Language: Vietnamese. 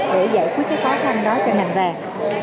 để giải quyết khó khăn đó cho ngành vàng